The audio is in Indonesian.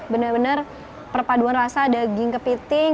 bener bener perpaduan rasa daging kepiting